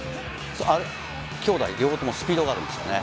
兄弟、両方ともスピードがあるんですよね。